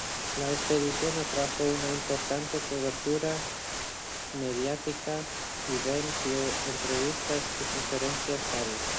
La expedición atrajo una importante cobertura mediática, y Bell dio entrevistas y conferencias varias.